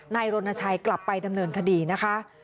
รณชัยกลับไปดำเนินคดีนะคะ